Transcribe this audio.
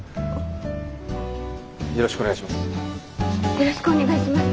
よろしくお願いします。